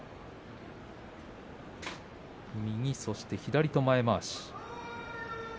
右、そして左の前まわし